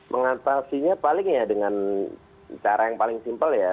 mengatasinya paling ya dengan cara yang paling simpel ya